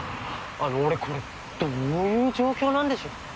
あの俺これどういう状況なんでしょう？